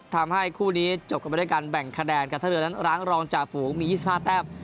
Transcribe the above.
ทำให้คู่นี้จบกันไปด้วยกันแบ่งคะแดนกันทะเลือนร้านรองจ่าฝูงมียี่สิบห้าแทบ